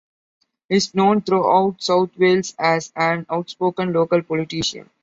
He is known throughout South Wales as an outspoken local politician.